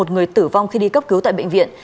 một người tử vong khi đi cấp cứu tại bệnh viện